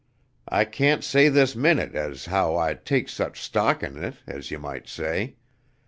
I can't say this minute as how I takes much stock in it, as ye might say.